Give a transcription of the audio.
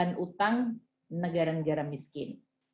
dan ini adalah satu dari beberapa hal yang harus dilakukan